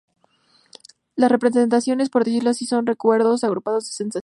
Las representaciones, por decirlo así, son recuerdos agrupados de sensaciones.